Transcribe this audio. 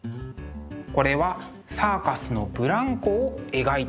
これはサーカスのブランコを描いた作品。